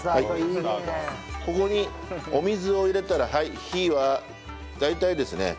ここにお水を入れたら火は大体ですね